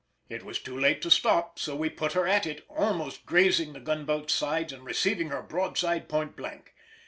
It was too late to stop, so we put her at it, almost grazing the gunboat's sides and receiving her broadside point blank.